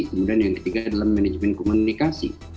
kemudian yang ketiga adalah manajemen komunikasi